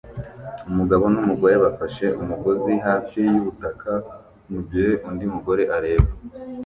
Umugabo numugore bafashe umugozi hafi yubutaka mugihe undi mugore areba